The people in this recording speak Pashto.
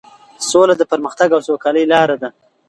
سوله د پرمختګ او سوکالۍ لاره ده.